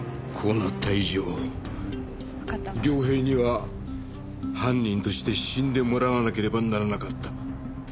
こうなった以上涼平には犯人として死んでもらわなければならなかった。